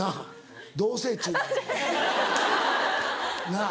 なぁ